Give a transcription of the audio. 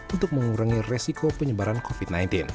untuk mengurangi resiko penyebaran covid sembilan belas